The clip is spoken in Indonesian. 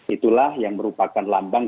itulah yang merupakan lambang